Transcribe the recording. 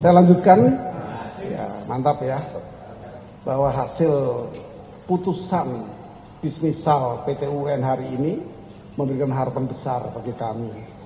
saya lanjutkan ya mantap ya bahwa hasil putusan bisnis sal pt un hari ini memberikan harapan besar bagi kami